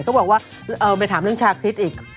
เขาบอกว่าเอาไปถามเรื่องชาวคริตอีก